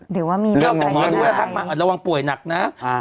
เดี๋ยวว่ามีเรื่องยังไงระวังป่วยหนักนะอ่า